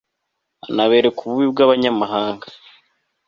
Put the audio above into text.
anabereka ububi bw'abanyamahanga